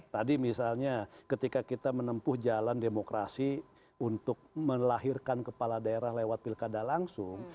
tadi misalnya ketika kita menempuh jalan demokrasi untuk melahirkan kepala daerah lewat pilkada langsung